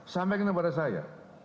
sampai dengan pada saya